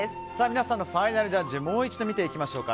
皆さんのファイナルジャッジもう一度、見ていきましょう。